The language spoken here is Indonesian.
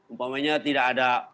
umpamanya tidak ada